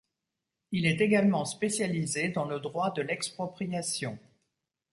Il est également spécialisé dans le droit de l'expropriation.